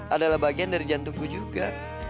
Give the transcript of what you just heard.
adalah bagian dari jantungku juga